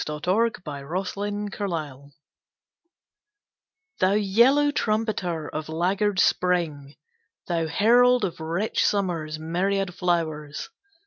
To an Early Daffodil Thou yellow trumpeter of laggard Spring! Thou herald of rich Summer's myriad flowers!